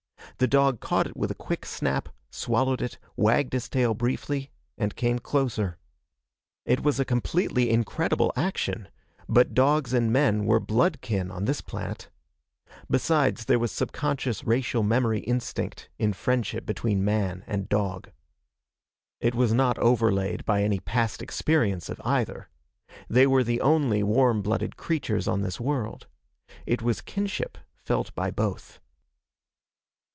The dog caught it with a quick snap, swallowed it, wagged his tail briefly and came closer. It was a completely incredible action, but dogs and men were blood kin on this planet. Besides, there was subconscious racial memory instinct in friendship between man and dog. It was not overlaid by any past experience of either. They were the only warm blooded creatures on this world. It was kinship felt by both.